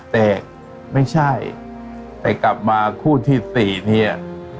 แต่ไม่ใช่แต่กลับมาคู่ที่๔เนี่ย